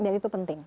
dan itu penting